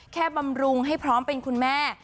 บำรุงให้พร้อมเป็นคุณแม่